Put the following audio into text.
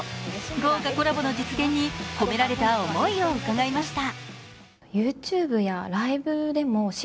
豪華コラボの実現に込められた思いを聞きました。